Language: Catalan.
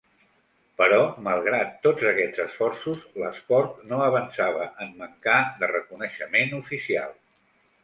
Però malgrat tots aquests esforços, l'esport no avançava en mancar de reconeixement oficial.